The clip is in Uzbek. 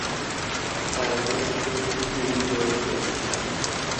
• Aybing uchun o‘zing javob ber.